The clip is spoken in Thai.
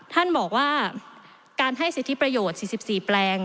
ท่านบอกว่าการให้สิทธิประโยชน์๔๔แปลง